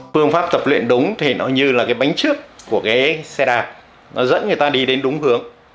phương pháp tập luyện đúng thì nó như là cái bánh trước của cái xe đạp nó dẫn người ta đi đến đúng hướng